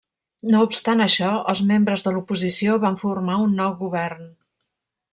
No obstant això els membres de l'oposició van formar un nou govern.